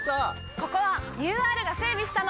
ここはＵＲが整備したの！